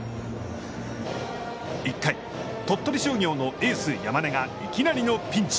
１回、鳥取商業のエース山根がいきなりのピンチ。